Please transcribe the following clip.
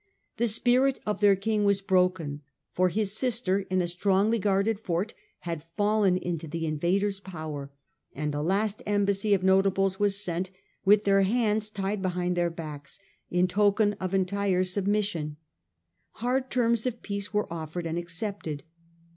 The spirit of their king was broken, for hU sister in a strongly guarded fort had fallen into the invader^s power, and a last embassy of notables was sent, with their hands tied behind their backs, in token of entire submission. Hard terms of peace were offered and accepted.